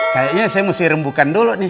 kayaknya saya mesti rembukan dulu nih